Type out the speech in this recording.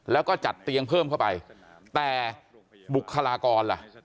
แล้วก็จัดเตียงเพิ่มเข้าไปแต่บุคลากรล่ะ